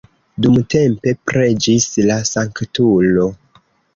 Dumtempe preĝis la sanktulo.